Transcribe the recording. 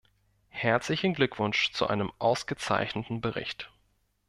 Herzlichen Glückwunsch zu einem ausgezeichneten Bericht.